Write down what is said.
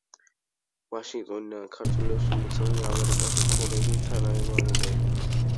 ვაშინგტონიდან ქართველებს ულოცავენ ამერიკაში მცხოვრები თანამემამულეები.